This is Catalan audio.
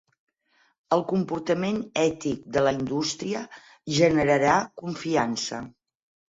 El comportament ètic de la indústria generarà confiança.